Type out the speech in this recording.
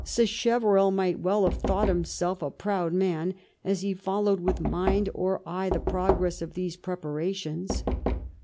Sacheverell might well have thought himself a proud man as he followed with mind or eye the progress of these preparations.